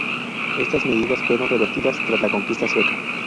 Estas medidas fueron revertidas tras la conquista sueca.